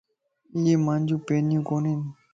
ايي مانجيون پينيون ڪونين